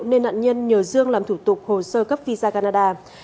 nên nạn nhân nhờ dương làm thủ tục hồ sơ cấp visa canada